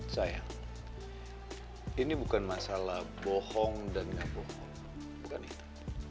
saya ini bukan masalah bohong dan bohong bukan itu